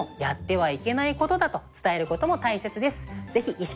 はい。